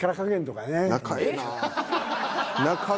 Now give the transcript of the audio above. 仲ええなぁ。